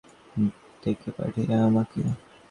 ডেকে পাঠিয়ো আমাকে।